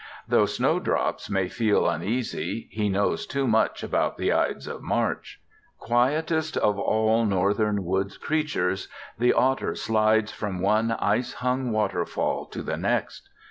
Though snowdrops may feel uneasy, he knows too much about the Ides of March! Quietest of all Northern woods creatures, the otter slides from one ice hung waterfall to the next.